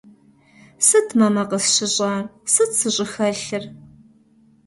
Сыт, мамэ, къысщыщӏар, сыт сыщӏыхэлъыр?